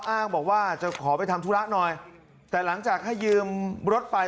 อ้างบอกว่าจะขอไปทำธุระหน่อยแต่หลังจากให้ยืมรถไป